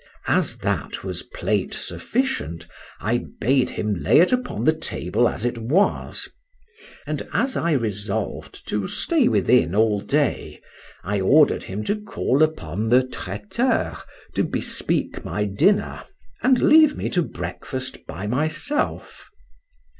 —As that was plate sufficient, I bade him lay it upon the table as it was; and as I resolved to stay within all day, I ordered him to call upon the traîteur, to bespeak my dinner, and leave me to breakfast by myself.